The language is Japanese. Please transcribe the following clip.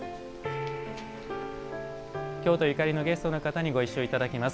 京都ゆかりのゲストの方にご一緒いただきます。